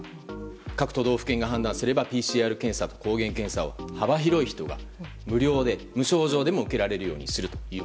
各都道府県が判断すればＰＣＲ検査と抗原検査を幅広い人が無料で無症状でも受けられるようにすると。